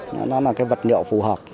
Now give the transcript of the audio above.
nó là vật liệu phù hợp